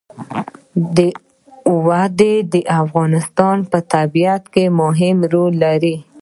وادي د افغانستان په طبیعت کې مهم رول لري.